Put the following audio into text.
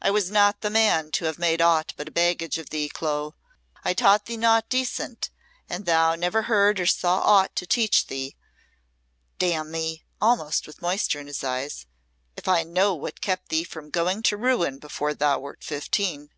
"I was not the man to have made aught but a baggage of thee, Clo. I taught thee naught decent, and thou never heard or saw aught to teach thee. Damn me!" almost with moisture in his eyes, "if I know what kept thee from going to ruin before thou wert fifteen."